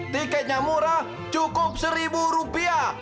tiketnya murah cukup seribu rupiah